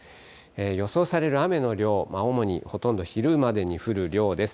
予想される雨の量、主に主にほとんど昼までに降る量です。